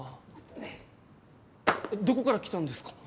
えどこから来たんですか？